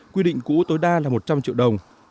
quy định cũ tối đa là một trăm linh triệu đồng